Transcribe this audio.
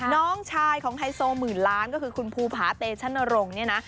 น้องชายของไฮโซหมื่นล้านก็คือคุณภูผาเตชนรงค์เนี่ยนะ